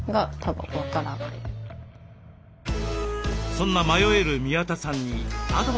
そんな迷える宮田さんにアドバイスするのは。